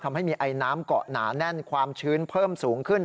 ทำให้มีไอน้ำเกาะหนาแน่นความชื้นเพิ่มสูงขึ้น